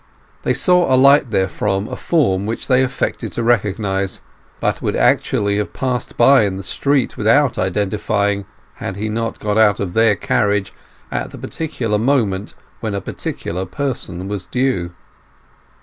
They saw alight therefrom a form which they affected to recognize, but would actually have passed by in the street without identifying had he not got out of their carriage at the particular moment when a particular person was due.